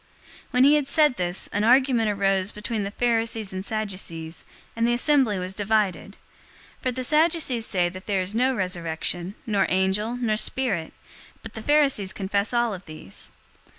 023:007 When he had said this, an argument arose between the Pharisees and Sadducees, and the assembly was divided. 023:008 For the Sadducees say that there is no resurrection, nor angel, nor spirit; but the Pharisees confess all of these.